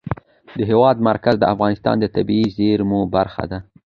د هېواد مرکز د افغانستان د طبیعي زیرمو برخه ده.